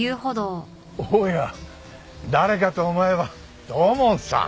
おや誰かと思えば土門さん。